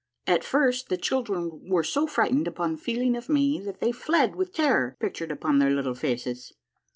At hrst the children were so frightened upon feeling of me that they fled with terror pictured upon their little faces.